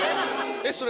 えっそれ。